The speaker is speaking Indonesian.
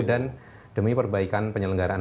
dan demi perbaikan penyelenggaraan